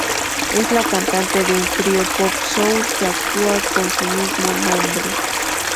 Es la cantante de un trío pop-soul que actúa con su mismo nombre.